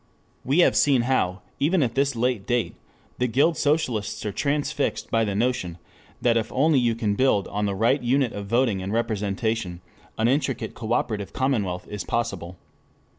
We have seen how even at this late date the guild socialists are transfixed by the notion that if only you can build on the right unit of voting and representation, an intricate cooperative commonwealth is possible.